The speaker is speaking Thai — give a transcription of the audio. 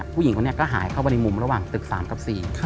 ผู้หญิงคนนี้ก็หายเข้าไปในมุมระหว่างตึก๓กับ๔